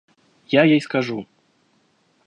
– Я ей скажу.